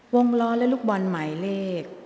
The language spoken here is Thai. ล้อและลูกบอลหมายเลข